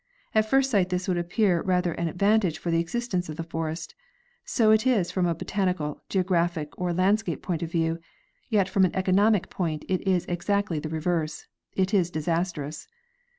At first sight this would appear rather an advantage for the existence of the forest. So it is from a botanical, geographic or landscape point of view, yet from an economic point it is exactly the reverse—it is disastrous.